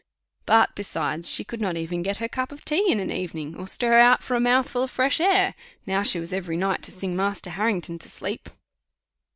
But, besides, she could not even get her cup of tea in an evening, or stir out for a mouthful of fresh air, now she was every night to sing Master Harrington to sleep.